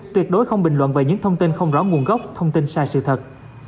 tuyệt đối không bình luận về những thông tin không rõ nguồn gốc thông tin sai sự thật